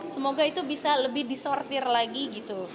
semoga itu bisa lebih disortir lagi gitu